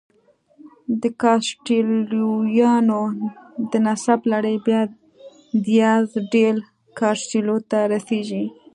د کاسټیلویانو د نسب لړۍ بیا دیاز ډیل کاسټیلو ته رسېږي.